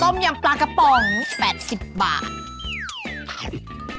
ยำปลากระป๋อง๘๐บาท